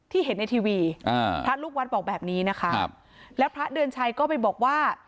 เห็นในทีวีอ่าพระลูกวัดบอกแบบนี้นะคะครับแล้วพระเดือนชัยก็ไปบอกว่า